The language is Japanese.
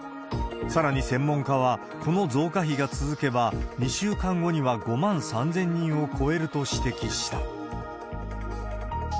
さらに専門家は、この増加比が続けば、２週間後には、５万３０００人を超えると指摘した。